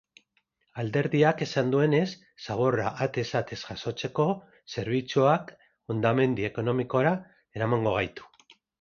Alderdiak esan duenez, zaborra atez ate jasotzeko zerbitzuak hondamendi ekonomikora eramango gaitu.